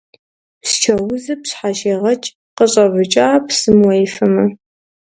Псчэ узыр пщхьэщегъэкӏ къыщӏэвыкӏа псым уефэмэ.